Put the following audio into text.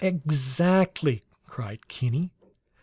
"Exactly!" cried Kinney.